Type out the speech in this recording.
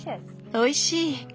おいしい！